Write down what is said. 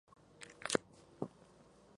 Es la harina ideal para elaborar masas.